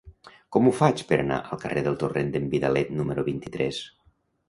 Com ho faig per anar al carrer del Torrent d'en Vidalet número vint-i-tres?